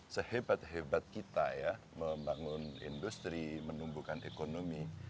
sehebat hebat kita ya membangun industri menumbuhkan ekonomi